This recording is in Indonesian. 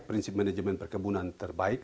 prinsip manajemen perkebunan terbaik